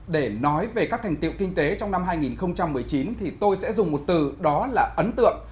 để nói về các thành tiệu kinh tế trong năm hai nghìn một mươi chín thì tôi sẽ dùng một từ đó là ấn tượng